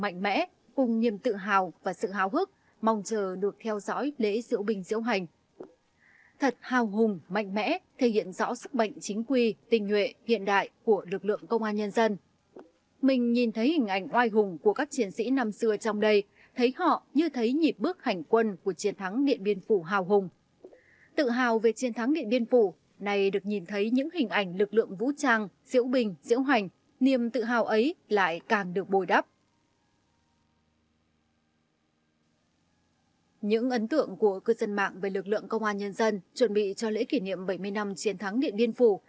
những ấn tượng của cư dân mạng về lực lượng công an nhân dân chuẩn bị cho lễ kỷ niệm bảy mươi năm chiến thắng điện biên phủ